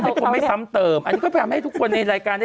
สวัสดีชาวโซเชียลอย่าง